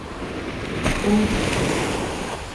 — Ом чыте!..